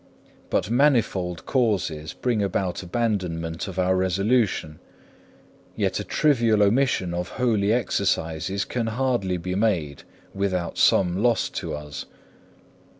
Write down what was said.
But manifold causes bring about abandonment of our resolution, yet a trivial omission of holy exercises can hardly be made without some loss to us.